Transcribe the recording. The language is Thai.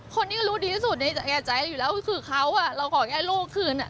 คนนี้ก็รู้ดีที่สุดในแก่ใจอยู่แล้วก็คือเขาเราขอแค่ลูกคืน